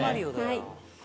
はい。